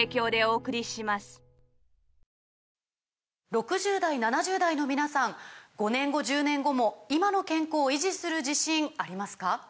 ６０代７０代の皆さん５年後１０年後も今の健康維持する自信ありますか？